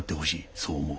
そう思う。